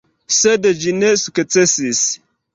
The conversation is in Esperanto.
Sed ĝi ne sukcesis.